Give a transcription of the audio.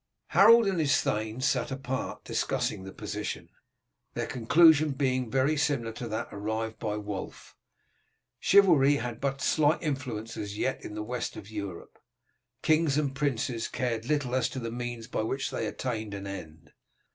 Harold and his thanes sat apart discussing the position, their conclusion being very similar to that arrived at by Wulf. Chivalry had but slight influence as yet in the West of Europe. Kings and princes cared little as to the means by which they attained an end.